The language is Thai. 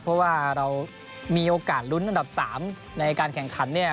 เพราะว่าเรามีโอกาสลุ้นอันดับ๓ในการแข่งขันเนี่ย